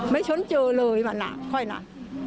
ไม่ช้อนเจอเลยมาหนาค่อยหนา